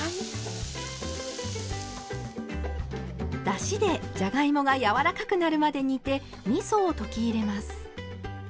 だしでじゃがいもがやわらかくなるまで煮てみそを溶き入れます。